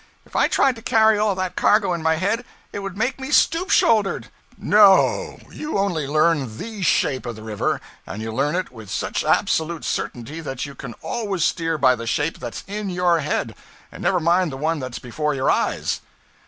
If I tried to carry all that cargo in my head it would make me stoop shouldered.' 'No! you only learn _the _shape of the river, and you learn it with such absolute certainty that you can always steer by the shape that's in your head, and never mind the one that's before your eyes.'